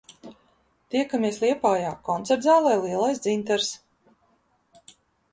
"Tiekamies Liepājā, koncertzālē “Lielais dzintars”!"